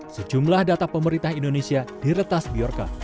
sejumlah data pemerintah indonesia diretas biorca